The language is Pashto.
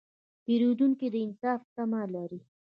پیرودونکی د انصاف تمه لري.